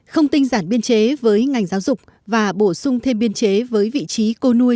không tinh giản biên chế với ngành giáo dục và bổ sung thêm biên chế với vị trí cô nuôi